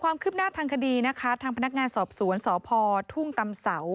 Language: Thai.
อีกหนึ่งข้อหาก็คือทำร้ายร่างกายผู้อื่นจนถึงแก่ความตาย